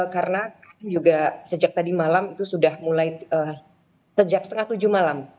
karena sekarang juga sejak tadi malam itu sudah mulai sejak setengah tujuh malam